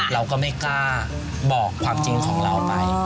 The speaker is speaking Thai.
เราก็ไม่กล้าบอกความจริงของเราไป